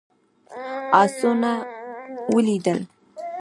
آسونه ولوېدل.